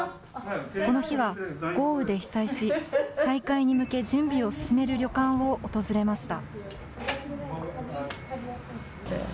この日は、豪雨で被災し、再開に向け、準備を進める旅館を訪れました。